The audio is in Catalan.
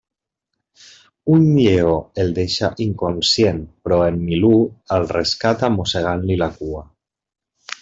Un lleó el deixa inconscient, però en Milú el rescata mossegant-li la cua.